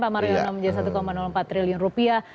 pak mariono menjadi satu empat triliun rupiah